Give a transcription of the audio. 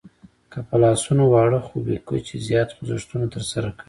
که په لاسونو واړه خو بې کچې زیات خوځښتونه ترسره کړئ